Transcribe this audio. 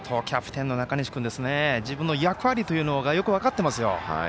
キャプテンの中西君自分の役割というのがよく分かってますよ。